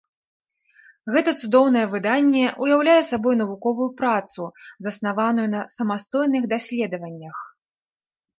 Гэта цудоўнае выданне ўяўляе сабой навуковую працу, заснаваную на самастойных даследаваннях.